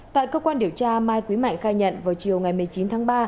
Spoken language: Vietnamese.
tại cơ quan điều tra mai quý mạnh khai nhận vào chiều ngày một mươi chín tháng ba